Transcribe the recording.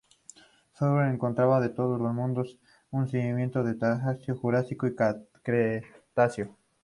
Fueron encontrados en todo el mundo en sedimentos del Triásico, Jurásico y Cretácico.